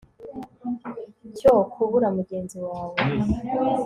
cyo kubura mugenzi wawe